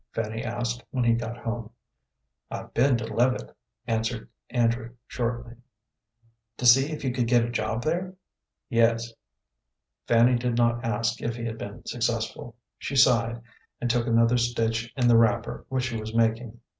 Fanny asked, when he got home. "I've been to Leavitt," answered Andrew, shortly. "To see if you could get a job there?" "Yes." Fanny did not ask if he had been successful. She sighed, and took another stitch in the wrapper which she was making.